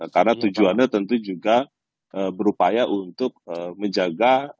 karena tujuannya tentu juga berupaya untuk menjaga